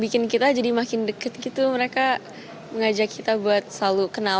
bikin kita jadi makin deket gitu mereka mengajak kita buat selalu kenal